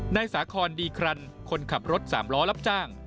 นายสาคอนดีครันคนขับรถสามล้อรับจ้าง